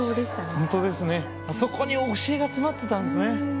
ホントですねあそこに教えが詰まってたんですね。